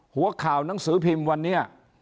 หัวข่าวหนังสือพิมพ์วันนี้